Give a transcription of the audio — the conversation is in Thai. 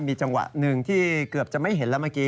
มีจังหวะหนึ่งที่เกือบจะไม่เห็นแล้วเมื่อกี้